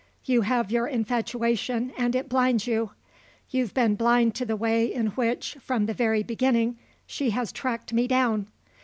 You have your infatuation and it blinds you. You've been blind to the way in which, from the very beginning, she has tracked me down.